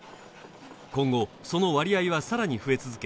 今後その割合はさらに増え続け